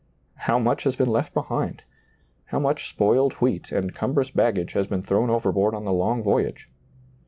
How much has been left behind ! how much spoiled wheat and cumbrous baggage has been thrown overboard on the long voyage!